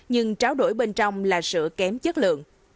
nhưng tráo đổi bên trong là sữa kém chất lượng